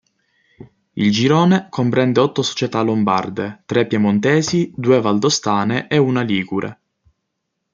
Il girone comprende otto società lombarde, tre piemontesi, due valdostane e una ligure.